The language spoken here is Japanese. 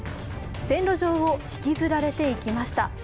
線路上を引きずられていきました。